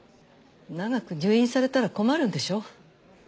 長く入院されたら困るんでしょう？